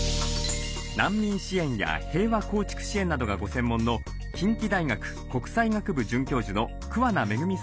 難民支援や平和構築支援などがご専門の近畿大学国際学部准教授の桑名恵さんに伺いました。